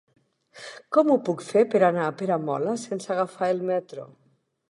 Com ho puc fer per anar a Peramola sense agafar el metro?